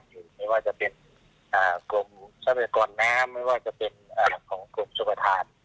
ไม่ว่าจะเป็นกรมทรัพยากรไม่ว่าจะเป็นกรมศักดิ์สุขฐาน